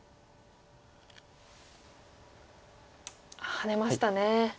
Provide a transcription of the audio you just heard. ハネましたね。